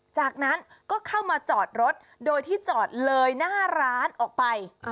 จากนั้นก็เข้ามาจอดรถโดยที่จอดเลยหน้าร้านออกไป